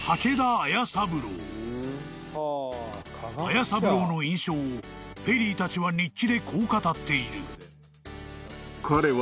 ［斐三郎の印象をペリーたちは日記でこう語っている］